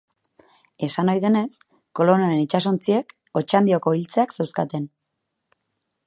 Esan ohi denez, Kolonen itsasontziek Otxandioko iltzeak zeuzkaten.